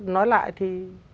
nói lại thì